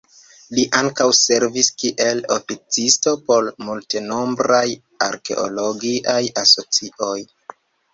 Li ankaŭ servis kiel oficisto por multenombraj arkeologiaj asocioj.